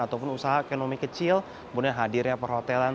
ataupun usaha ekonomi kecil kemudian hadirnya perhotelan